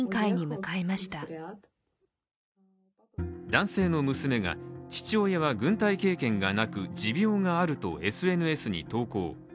男性の娘が、父親は軍隊経験がなく持病があるとＳＮＳに投稿。